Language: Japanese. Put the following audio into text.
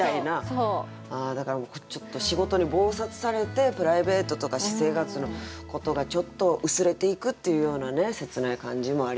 だからもうちょっと仕事に忙殺されてプライベートとか私生活のことがちょっと薄れていくっていうようなね切ない感じもあります。